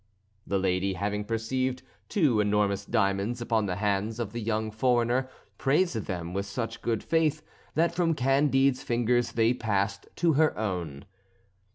The lady having perceived two enormous diamonds upon the hands of the young foreigner praised them with such good faith that from Candide's fingers they passed to her own.